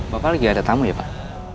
bapak lagi ada tamu ya pak